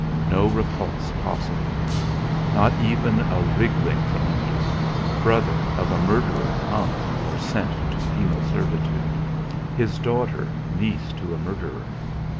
No repulse possible! Not even a wriggling from under! Brother of a murderer hung or sent to penal servitude! His daughter niece to a murderer!